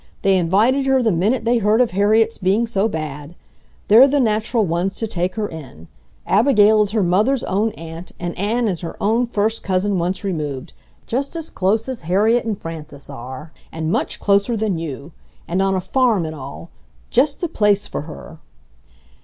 They invited her the minute they heard of Harriet's being so bad. They're the natural ones to take her in. Abigail is her mother's own aunt, and Ann is her own first cousin once removed ... just as close as Harriet and Frances are, and MUCH closer than you! And on a farm and all ... just the place for her!"